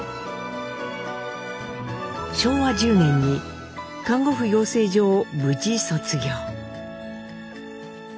昭和１０年に看護婦養成所を無事卒業。